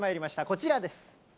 こちらです。